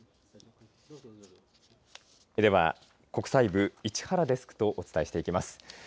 では、国際部、市原デスクとお伝えしていきます。